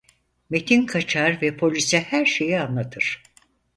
Metin kaçar ve polise her şeyi anlatır.